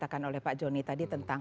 kalau kita terbuka